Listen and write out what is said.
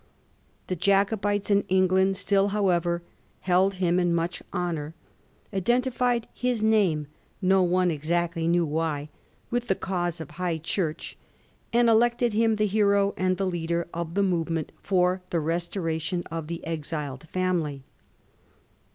The Jacobites in England still, however, held him in much honour, identified his name, no one exactly knew why, with the cause of High Church, and elected him the hero and the leader of the movement for the restoration of the exiled family.